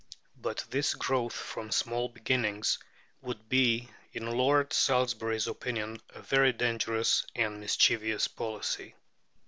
But this "growth from small beginnings" would be, in Lord Salisbury's opinion, a very dangerous and mischievous policy.